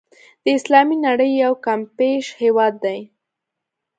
د اسلامي نړۍ یو کمپېښ هېواد دی.